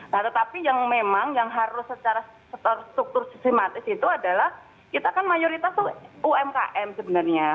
nah tetapi yang memang yang harus secara struktur sistematis itu adalah kita kan mayoritas itu umkm sebenarnya